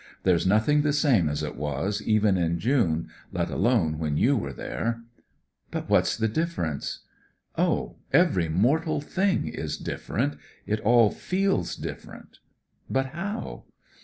There's nothing the same as it was, even m June, let alone when you were there." " But what's the difference ?"" 1, every mortal thing is different. It siXl feels different." " But how